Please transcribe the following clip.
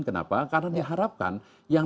kenapa karena diharapkan yang